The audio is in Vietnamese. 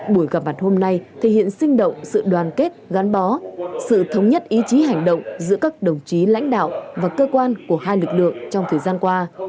buổi gặp mặt hôm nay thể hiện sinh động sự đoàn kết gắn bó sự thống nhất ý chí hành động giữa các đồng chí lãnh đạo và cơ quan của hai lực lượng trong thời gian qua